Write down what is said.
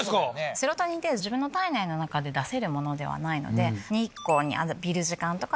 セロトニンって自分の体内の中で出せるものではないので。